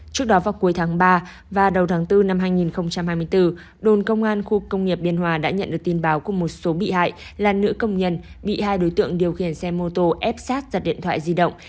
trước đó vào cuối tháng ba và đầu tháng bốn năm hai nghìn hai mươi bốn đồn công an khu công nghiệp biên hòa đã nhận được tin báo của một số bị hại là nữ công nhân bị hai đối tượng điều khiển xe mô tô ép sát giật điện thoại di động